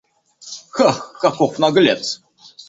Хах, каков наглец!